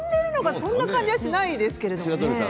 そんな感じはしないですけど。